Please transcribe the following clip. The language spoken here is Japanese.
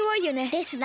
ですな。